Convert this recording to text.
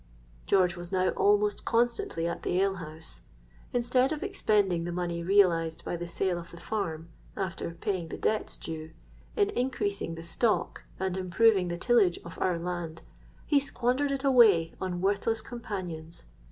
George was now almost constantly at the ale house. Instead of expending the money realised by the sale of the farm, after paying the debts due, in increasing the stock and improving the tillage of our land, he squandered it away on worthless companions.